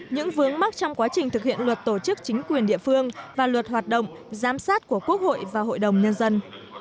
những vướng mắc trong quá trình thực hiện luật tổ chức chính quyền địa phương và luật hoạt động giám sát của quốc hội và hội đồng nhân dân